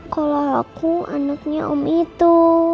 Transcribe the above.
kalau aku anaknya om itu